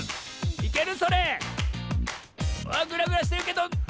いける？